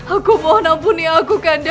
aku mohon ampuni aku kanda